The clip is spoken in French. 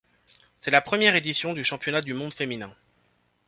C'est la première édition du championnat du monde féminin.